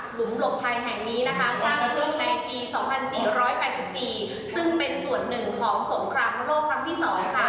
หุมหลบภัยแห่งนี้นะคะสร้างขึ้นในปี๒๔๘๔ซึ่งเป็นส่วนหนึ่งของสงครามโลกครั้งที่๒ค่ะ